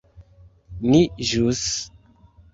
Ni ĵus...